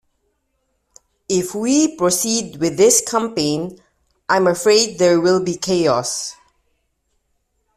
If we proceed with this campaign, I'm afraid there will be chaos.